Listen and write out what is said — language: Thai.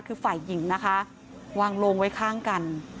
คือฝ่ายหญิงนะคะวางโลงไว้ข้างกัน